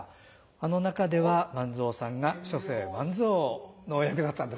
あの中では万蔵さんが初世万蔵のお役だったんですね。